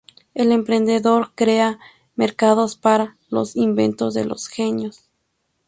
El emprendedor "crea" mercados "para" los inventos de los genios.